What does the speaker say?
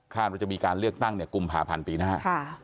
ว่าจะมีการเลือกตั้งกุมภาพันธ์ปีหน้า